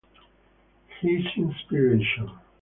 His Inspiration